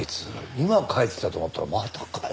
今帰ってきたと思ったらまたかよ。